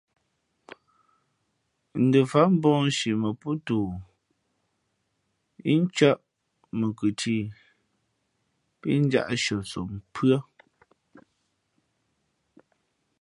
Ndα fát mbαᾱnshi mα pōtoo yí ncᾱʼ mα khʉ tî pí njāʼ shʉαsom pʉ́ά.